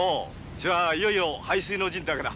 じゃあいよいよ背水の陣ってわけだ。